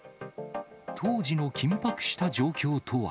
当時の緊迫した状況とは。